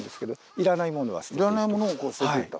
いらないものを捨てていった。